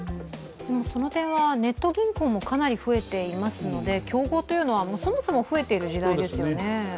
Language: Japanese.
その点はネット銀行もかなり増えていますので競合というのは、そもそも増えている時代ですよね。